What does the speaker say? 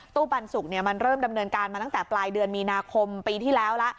ปันสุกมันเริ่มดำเนินการมาตั้งแต่ปลายเดือนมีนาคมปีที่แล้วละ